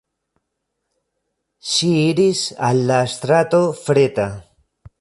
Ŝi iris al la strato Freta.